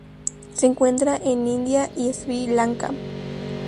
Se encuentra en India y Sri Lanka.